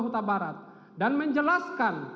huta barat dan menjelaskan